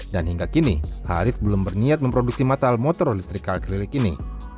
dan hingga kini haris belum berniat memproduksi masal motor listrik akrilik ini